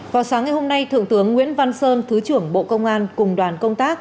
vào sáng ngày hôm nay thượng tướng nguyễn văn sơn thứ trưởng bộ công an cùng đoàn công tác